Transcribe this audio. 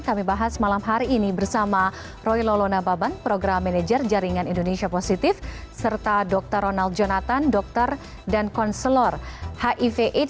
kami bahas malam hari ini bersama roy lolona baban program manajer jaringan indonesia positif serta dr ronald jonathan dokter dan konselor hiv aids